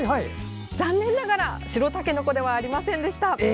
残念ながら白たけのこではありませんでした。